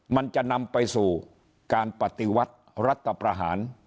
มันจะนำไปสู่การปฏิวัติรัฐประหาร